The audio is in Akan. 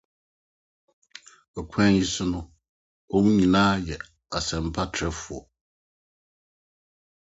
Ɔkwan yi so no, wɔn nyinaa yɛ asɛmpatrɛwfo.